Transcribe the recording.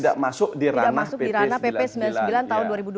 tidak masuk di ranah pp sembilan puluh sembilan tahun dua ribu dua belas